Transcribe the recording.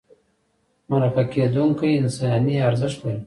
مرکه کېدونکی انساني ارزښت لري.